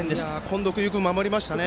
近藤君、よく守りましたね。